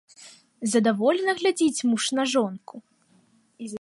Задаволена глядзіць муж на жонку.